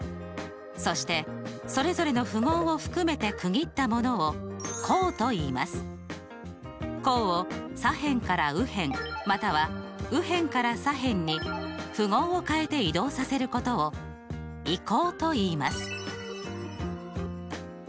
そしてそれぞれの符号を含めて区切ったものを項を左辺から右辺または右辺から左辺に符号を変えて移動させることを移項といいます。